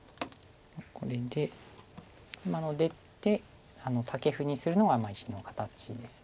これで今の出てタケフにするのが石の形です。